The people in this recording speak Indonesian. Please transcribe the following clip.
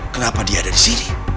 kenapa dia ada disini